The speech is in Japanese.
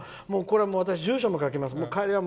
私、住所も書きます。